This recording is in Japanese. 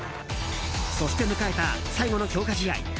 そして迎えた、最後の強化試合。